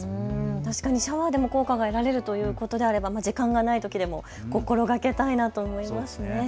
確かにシャワーでも効果が得られるということであれば時間がないときでも心がけたいなと思いますね。